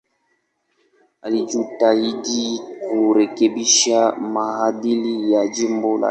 Alijitahidi kurekebisha maadili ya jimbo lake.